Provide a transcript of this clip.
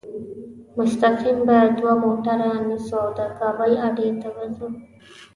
مستقیم به دوه موټره نیسو او د کابل اډې ته به ځو.